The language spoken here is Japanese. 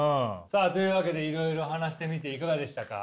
さあというわけでいろいろ話してみていかがでしたか？